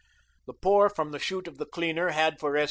The pour from the chute of the cleaner had for S.